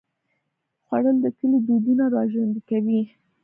خوړل د کلي دودونه راژوندي کوي